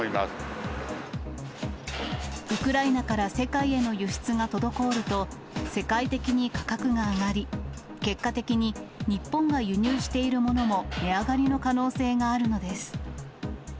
ウクライナから世界への輸出が滞ると、世界的に価格が上がり、結果的に日本が輸入しているものも値上がりの可能性があるのです。